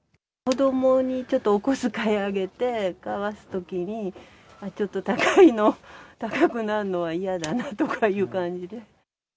子どもにちょっと、お小遣いあげて買わすときに、ちょっと高いの、高くなるのは嫌だなとかいう感じで。